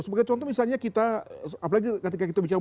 sebagai contoh misalnya kita apalagi ketika kita bicara